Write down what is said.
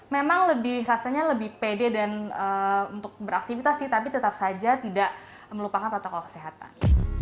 memang rasanya lebih pede dan untuk beraktivitas sih tapi tetap saja tidak melupakan protokol kesehatan